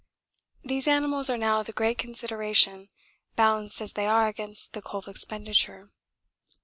These animals are now the great consideration, balanced as they are against the coal expenditure.